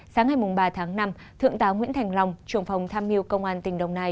sáng ngày ba tháng năm thượng tá nguyễn thành long trưởng phòng tham mưu công an tỉnh đồng nai